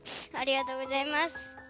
ありがとうございます。